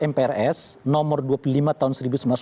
mprs nomor dua puluh lima tahun